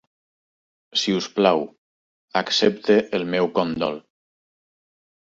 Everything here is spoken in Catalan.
Si us plau, accepti el meu condol.